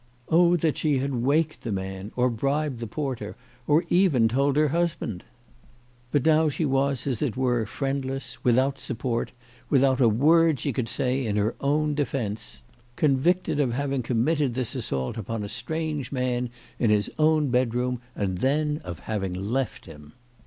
Oh that she had waked the man, or bribed the porter, or even told her husband ! But now she was, as it were, friendless, without support, without a 236 CHRISTMAS AT THOMPSON HALL. word that she could say in her own defence, convicted of having committed this assault upon a strange man in his own bedroom, and then of having left him